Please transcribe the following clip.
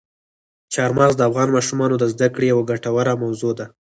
چار مغز د افغان ماشومانو د زده کړې یوه ګټوره موضوع ده.